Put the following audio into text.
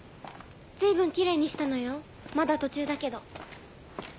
ずいぶんきれいにしたのよまだ途中だけど。